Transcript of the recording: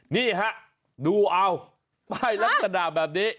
นี่ฮะดูเอาป้ายลักษณะแบบนี้